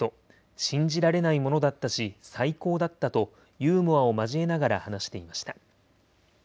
信じられないものだったし最高だったとユーモアを交えながら話していました。